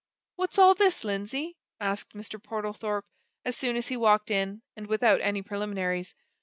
"What's all this, Lindsey?" asked Mr. Portlethorpe, as soon as he walked in, and without any preliminaries.